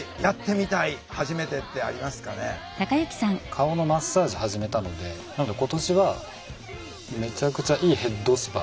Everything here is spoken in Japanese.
顔のマッサージ始めたのでなので今年はめちゃくちゃいいヘッドスパ。